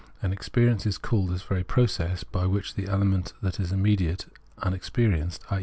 And experience is called this very process by which the element that is immediate, unexperienced, i.e.